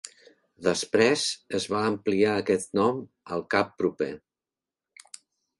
Després es va ampliar aquest nom al cap proper.